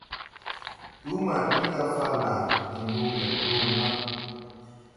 Duu ma bin ga Falna, ndi nduu le Gurna.